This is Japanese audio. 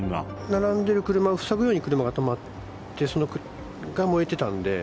並んでる車を塞ぐように車が止まって、その車が燃えてたんで。